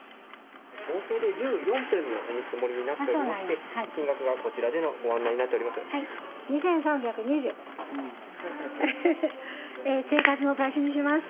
合計で１４点のお見積りになっていまして、金額がこちらでのご案内になっております。